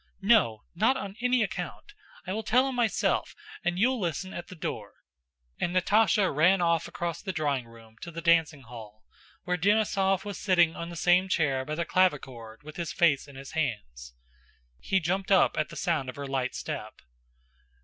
"No, not on any account! I will tell him myself, and you'll listen at the door," and Natásha ran across the drawing room to the dancing hall, where Denísov was sitting on the same chair by the clavichord with his face in his hands. He jumped up at the sound of her light step.